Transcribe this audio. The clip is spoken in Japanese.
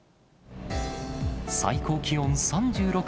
最高気温３６．８度。